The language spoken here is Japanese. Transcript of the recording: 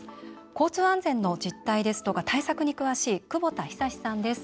交通安全の実態ですとか対策に詳しい久保田尚さんです。